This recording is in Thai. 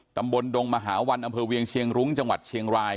ดงมหาวันอำเภอเวียงเชียงรุ้งจังหวัดเชียงราย